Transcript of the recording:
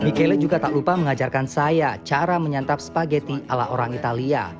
michele juga tak lupa mengajarkan saya cara menyantap spageti ala orang italia